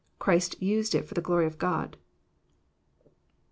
Christ used it for the glory of God.'